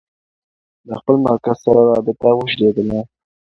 د خپل مرکز سره رابطه وشلېده.